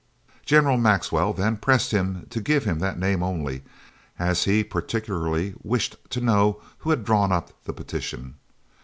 General Maxwell then pressed him to give him that name only, as he particularly wished to know who had drawn up the petition.